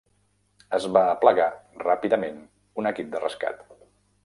Es va aplegar ràpidament un equip de rescat.